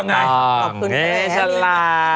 นะคะ